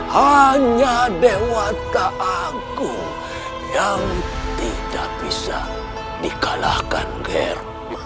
hanya dewa ta'agu yang tidak bisa dikalahkan ger